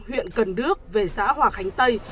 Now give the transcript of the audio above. huyện cần đước về xã hòa khánh tây